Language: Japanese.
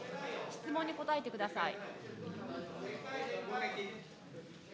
質問に答えてください。